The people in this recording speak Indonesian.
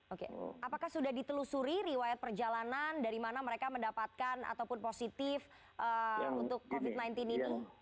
oke apakah sudah ditelusuri riwayat perjalanan dari mana mereka mendapatkan ataupun positif untuk covid sembilan belas ini